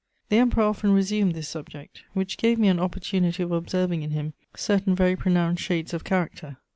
The Emperor often resumed this subject, which gave me an opportunity of observing in him certain very pronounced shades of character.